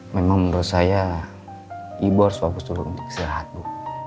memang menurut saya ibu harus bagus turun untuk sehat bu